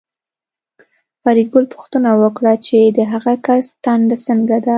فریدګل پوښتنه وکړه چې د هغه کس ټنډه څنګه ده